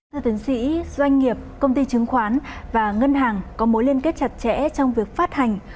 thưa tiến sĩ doanh nghiệp công ty chứng khoán và ngân hàng có mối liên kết chặt chẽ trong việc phát hành